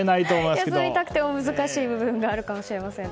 休みたくても難しい部分があるかもしれませんね。